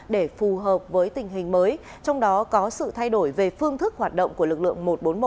để phù hợp với tình hình mới trong đó có sự thay đổi về phương thức hoạt động của lực lượng một trăm bốn mươi một